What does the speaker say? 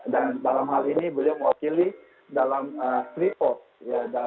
dan dalam hal ini beliau mewakili dalam tiga pops